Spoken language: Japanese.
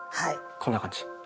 こんな感じ。